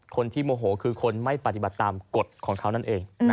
คนที่โมโหคือคนไม่ปฏิบัติตามกฎของเขานั่นเอง